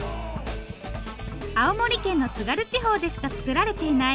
青森県の津軽地方でしか作られていない